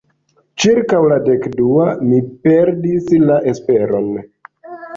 Ĉirkaŭ la dek-dua, mi perdis la esperon.